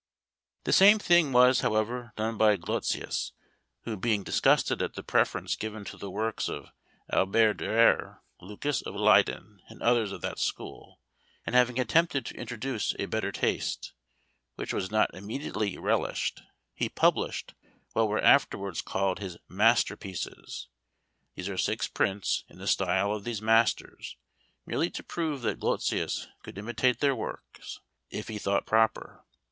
The same thing was, however, done by Goltzius, who being disgusted at the preference given to the works of Albert Durer, Lucas of Leyden, and others of that school, and having attempted to introduce a better taste, which was not immediately relished, he published what were afterwards called his masterpieces. These are six prints in the style of these masters, merely to prove that Goltzius could imitate their works, if he thought proper.